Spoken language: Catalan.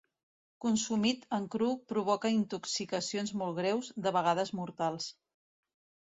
Consumit en cru provoca intoxicacions molt greus, de vegades mortals.